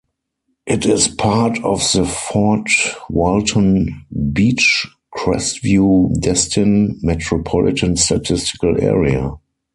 It is part of the Fort Walton Beach-Crestview-Destin Metropolitan Statistical Area.